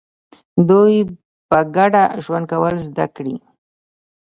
دوی په ګډه ژوند کول زده کړي.